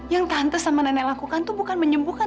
yang tante dan nenek lakukan itu bukan menyembuhkan